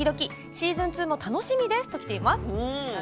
シーズン２も楽しみですときています。